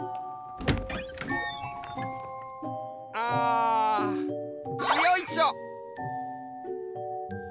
あよいしょっ！